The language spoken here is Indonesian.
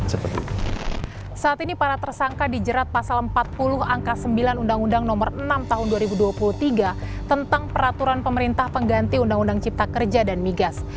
saat ini para tersangka dijerat pasal empat puluh angka sembilan undang undang nomor enam tahun dua ribu dua puluh tiga tentang peraturan pemerintah pengganti undang undang cipta kerja dan migas